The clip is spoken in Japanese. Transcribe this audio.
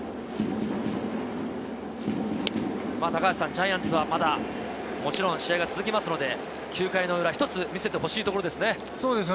ジャイアンツはまだもちろん試合が続きますので、９回の裏、一つ見せてほしいところですね。